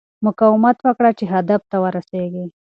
مقاومت وکړه چې هدف ته ورسېږې.